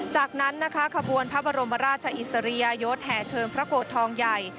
จากนั้นขบวนพระบรมราชอิสริยะยดแถเชิญพระโกดทองใหญ่